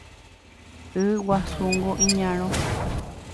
Y guasúngo iñarõ